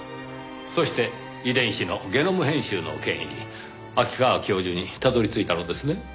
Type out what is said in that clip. そして遺伝子のゲノム編集の権威秋川教授にたどり着いたのですね？